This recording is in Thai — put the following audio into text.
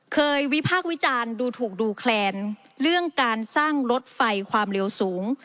วิพากษ์วิจารณ์ดูถูกดูแคลนเรื่องการสร้างรถไฟความเร็วสูง